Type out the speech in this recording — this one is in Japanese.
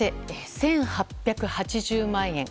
１８８０万円。